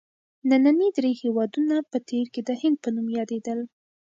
ننني درې هېوادونه په تېر کې د هند په نوم یادیدل.